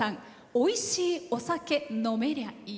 「美味しいお酒飲めりゃいい」。